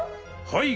はい！